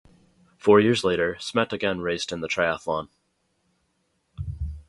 Four years later, Smet again raced in the triathlon.